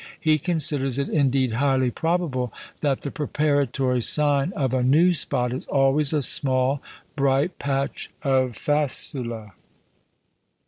He considers it indeed "highly probable that the preparatory sign of a new spot is always a small, bright patch of facula."